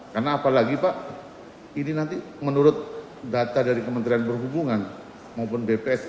karena apalagi pak ini nanti menurut data dari kementerian perhubungan maupun bps